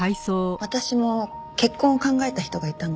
私も結婚を考えた人がいたの。